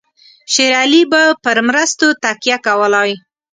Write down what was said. شېر علي به پر مرستو تکیه کولای.